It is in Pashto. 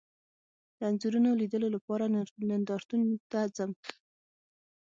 د انځورونو لیدلو لپاره نندارتون ته ځم